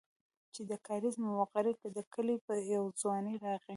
چې د کاريز موغري د کلي يو ځوان راغى.